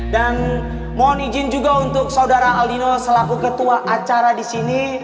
dan mohon izin juga untuk saudara aldino selaku ketua acara di sini